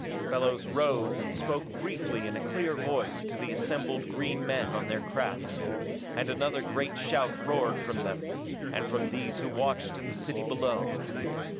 Fellows rose and spoke briefly in a clear voice to the assembled green men on their craft, and another great shout roared from them, and from these who watched in the city below.